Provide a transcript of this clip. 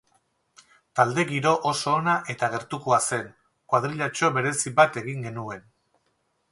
Talde giroa oso ona eta gertukoa zen, kuadrillatxo berezi bat egin genuen.